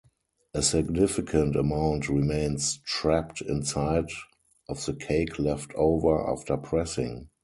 A significant amount remains trapped inside of the cake left over after pressing.